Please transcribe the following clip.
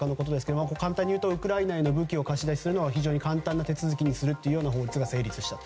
簡単に言うとウクライナへの武器を貸し出しするのを非常に簡単な手続きにするという法律が制定した。